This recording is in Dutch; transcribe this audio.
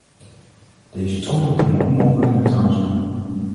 Deze troepen kunnen onmogelijk neutraal zijn.